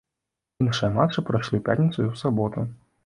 Іншыя матчы прайшлі ў пятніцу і ў суботу.